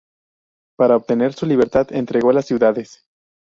Para obtener su libertad, entregó las ciudades.